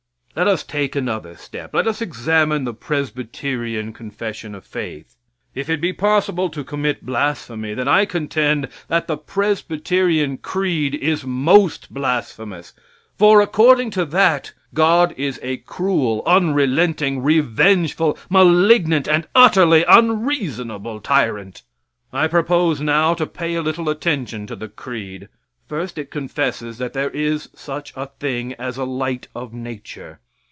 Let us take another step; let us examine the Presbyterian confession of faith. If it be possible to commit blasphemy, then I contend that the Presbyterian creed is most blasphemous, for, according to that, God is a cruel, unrelenting, revengeful, malignant and utterly unreasonable tyrant. I propose now to pay a little attention to the creed. First, it confesses that there is such a thing as a light of nature.